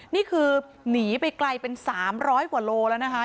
นี่คือหนีไปไกลเป็น๓๐๐กว่าโลแล้วนะคะ